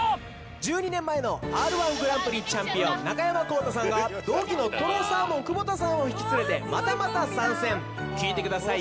１２年前のＲ−１ぐらんぷりチャンピオン中山功太さんが同期のとろサーモン・久保田さんを引き連れてまたまた参戦聞いてください